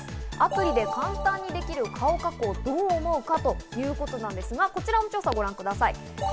アプリで簡単にできる顔加工、どう思うかということなんですが、こちらの調査をご覧ください。